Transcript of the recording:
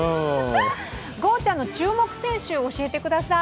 ゴーちゃんの注目選手を教えてください。